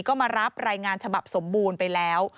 ก็มารับรายงานฉบับสมบูรณ์ไปแล้ว